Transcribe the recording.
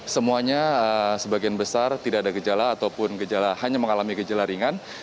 semuanya sebagian besar tidak ada gejala ataupun gejala hanya mengalami gejala ringan